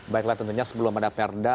baiklah tentunya sebelum ada perda